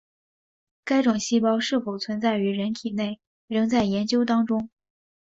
该种细胞是否存在于人体内仍在研究当中。